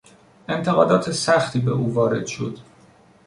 انتقادات سختی به او وارد شد.